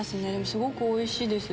すごくおいしいです。